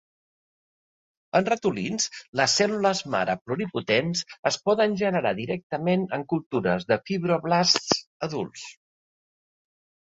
En ratolins, les cèl·lules mare pluripotents es poden generar directament en cultures de fibroblasts adults.